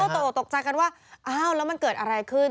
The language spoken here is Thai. ตกใจกันว่าอ้าวแล้วมันเกิดอะไรขึ้น